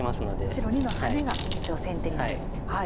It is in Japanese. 白②のハネが一応先手になる。